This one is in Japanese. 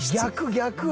逆！